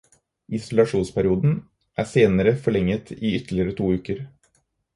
Isolasjonsperioden er senere forlenget i ytterligere to uker.